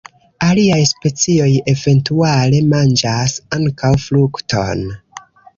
Aliaj specioj eventuale manĝas ankaŭ frukton.